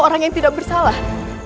orang yang tidak bersalah